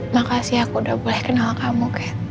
makasih aku udah boleh kenal kamu